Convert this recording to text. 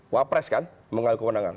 wapres kan mengalami kewenangan